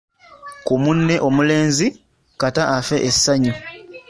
ku munne omulenzi, kata affe essanyu.